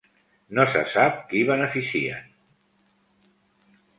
No se sap qui beneficien.